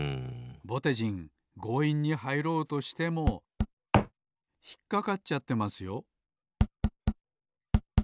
ぼてじんごういんにはいろうとしてもひっかかっちゃってますよ